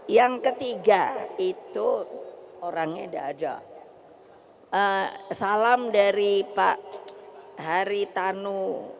yang ketiga itu orangnya dada salam dari pak haritanu